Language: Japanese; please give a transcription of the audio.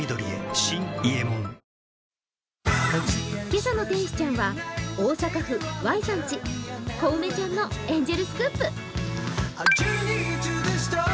今朝の天使ちゃんは、大阪府Ｙさんち、小梅ちゃんのエンジェルスクープ。